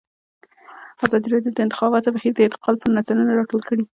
ازادي راډیو د د انتخاباتو بهیر د ارتقا لپاره نظرونه راټول کړي.